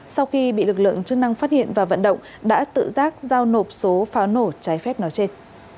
sau khi bị lực lượng chức năng phát hiện và vận động đã tự giác giao nộp số pháo nổ trái phép nói trên